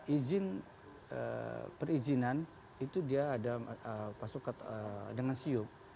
izin perizinan itu dia ada pasukan dengan siup